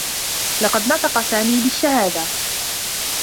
لقد نطق سامي بالشّهادة.